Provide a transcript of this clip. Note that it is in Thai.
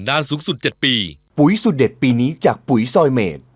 นานสูงสุด๗ปีปุ๋ยสุดเด็ดปีนี้จากปุ๋ยซอยเมด